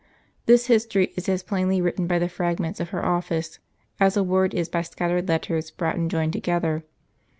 This history is as plainly written by the fragments of her office, as a word is by scattered letters brought, and joined together.